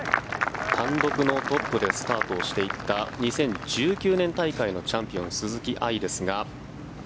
単独のトップでスタートをしていった２０１９年大会のチャンピオン鈴木愛ですが。